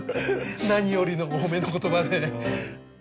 何よりのお褒めの言葉で。